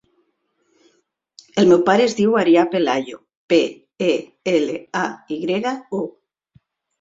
El meu pare es diu Aria Pelayo: pe, e, ela, a, i grega, o.